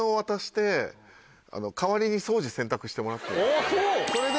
あぁそう。それで。